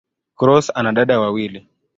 Cross ana dada wawili.